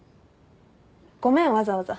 ごめんわざわざ。